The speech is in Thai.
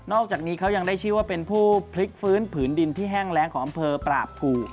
อกจากนี้เขายังได้ชื่อว่าเป็นผู้พลิกฟื้นผืนดินที่แห้งแรงของอำเภอปราบภู